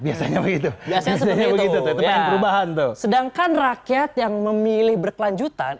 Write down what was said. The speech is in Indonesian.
biasanya begitu website di dasar perubahan sedangkan rakyat yang memilih berkelanjutan